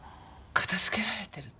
片づけられてる？